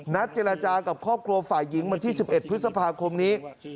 เจรจากับครอบครัวฝ่ายหญิงวันที่๑๑พฤษภาคมนี้